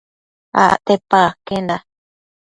Acte paë aquenda